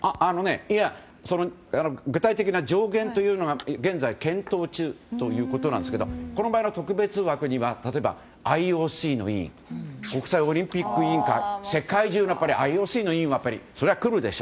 具体的な上限というのは現在、検討中ということですがこの場合の特別枠には、例えばＩＯＣの委員国際オリンピック委員会世界中のＩＯＣの委員はそれは来るでしょ。